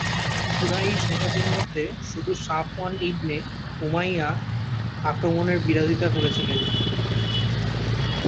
কুরাইশ নেতাদের মধ্যে শুধু সাফওয়ান ইবনে উমাইয়া আক্রমণের বিরোধিতা করেছিলেন।